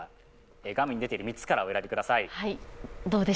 画面に出ている３つからお選びください。